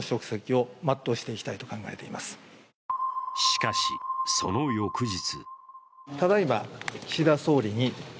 しかし、その翌日。